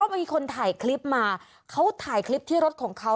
มีคนถ่ายคลิปมาเขาถ่ายคลิปที่รถของเขา